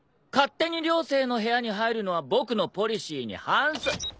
勝手に寮生の部屋に入るのは僕のポリシーに反する。